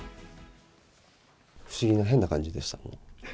不思議な変な感じでした。